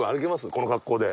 この格好で。